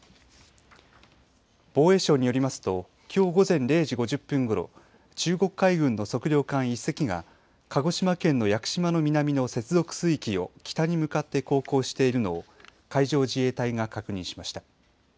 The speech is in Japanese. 防衛省によりますときょう午前０時５０分ごろ中国海軍の測量艦１隻が鹿児島県の屋久島の南の接続水域を北に向かって航行しているのを海上自衛隊が確認しました。